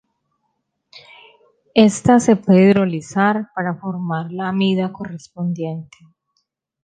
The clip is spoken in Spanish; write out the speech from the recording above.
Ésta se puede hidrolizar para formar la amida correspondiente.